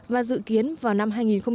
và dự kiến vào năm hai nghìn một mươi chín